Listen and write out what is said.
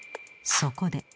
［そこで］